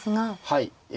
はい。